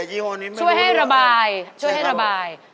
อันนี้ช่วยให้แบบช่วยให้ระบาย